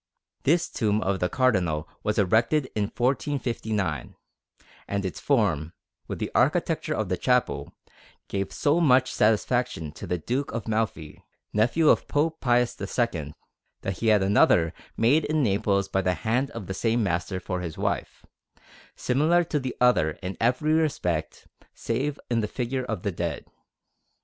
This tomb of the Cardinal was erected in 1459; and its form, with the architecture of the chapel, gave so much satisfaction to the Duke of Malfi, nephew of Pope Pius II, that he had another made in Naples by the hand of the same master for his wife, similar to the other in every respect save in the figure of the dead.